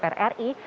dari ketua dpr ri